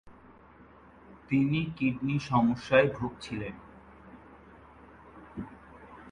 তিনি কিডনি সমস্যায় ভুগছিলেন।